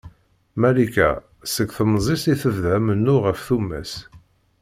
Malika seg temẓi-s i tebda amennuɣ ɣef tumas.